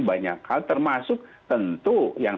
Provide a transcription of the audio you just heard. banyak hal termasuk tentu yang